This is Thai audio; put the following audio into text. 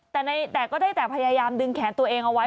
แต่ก็ได้แต่พยายามดึงแขนตัวเองเอาไว้